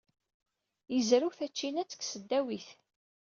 Yezrew tacinwat deg tesdawit.